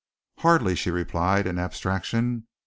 "Hardly," she replied, in abstraction.